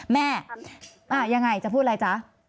แม่ยังไงจะพูดอะไรจ๊ะ